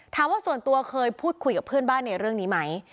ส่วนตัวเคยพูดคุยกับเพื่อนบ้านในเรื่องนี้ไหม